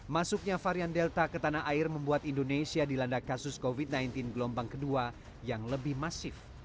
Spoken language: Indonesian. masuknya varian delta ke tanah air membuat indonesia dilanda kasus covid sembilan belas gelombang kedua yang lebih masif